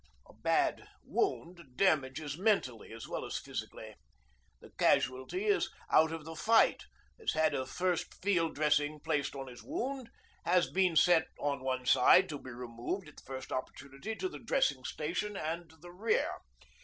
A bad wound damages mentally as well as physically. The 'casualty' is out of the fight, has had a first field dressing placed on his wound, has been set on one side to be removed at the first opportunity to the dressing station and the rear.